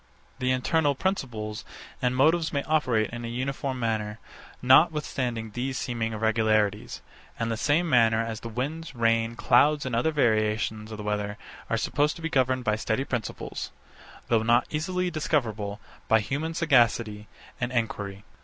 The internal principles and motives may operate in a uniform manner, notwithstanding these seeming irregularities; in the same manner as the winds, rain, clouds, and other variations of the weather are supposed to be governed by steady principles; though not easily discoverable by human sagacity and enquiry.